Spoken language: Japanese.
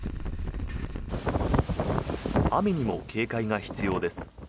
雨にも警戒が必要です。